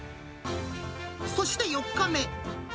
そして４日目。